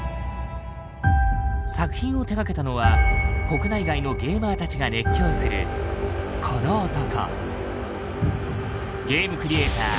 作品を手がけたのは国内外のゲーマーたちが熱狂するこの男。